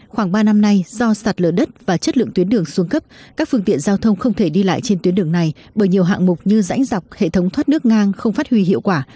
khoảng ba năm nay do sạt lở đất và chất lượng tuyến đường xuống cấp các phương tiện giao thông không thể đi lại trên tuyến đường này bởi nhiều hạng mục như rãnh dọc hệ thống thoát nước ngang không phát huy hiệu quả